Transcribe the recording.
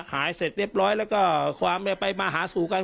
เสร็จเรียบร้อยแล้วก็ความไปมาหาสู่กัน